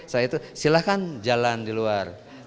setelah itu silahkan jalan di luar